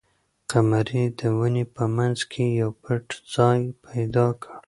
قمرۍ د ونې په منځ کې یو پټ ځای پیدا کړ.